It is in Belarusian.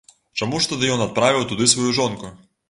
Чаму ж тады ён адправіў туды сваю жонку?